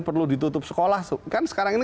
perlu ditutup sekolah kan sekarang ini